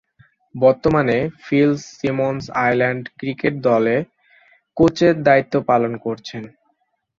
বর্তমানে Phil Simmons Ireland cricket দলে কোচের দায়িত্ব পালন করছেন।